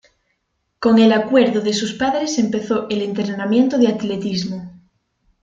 Con el acuerdo de sus padres, empezó el entrenamiento de atletismo.